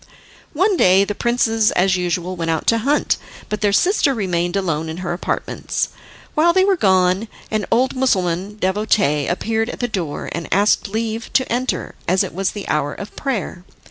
One day the princes as usual went out to hunt, but their sister remained alone in her apartments. While they were gone an old Mussulman devotee appeared at the door, and asked leave to enter, as it was the hour of prayer.